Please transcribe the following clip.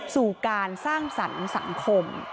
สู่การสร้างสรรค์สังคม